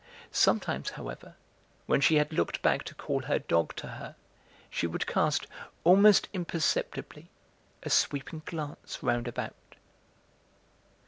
Sometimes, however, when she had looked back to call her dog to her, she would cast, almost imperceptibly, a sweeping glance round about.